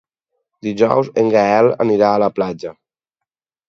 Dijous en Gaël anirà a la platja.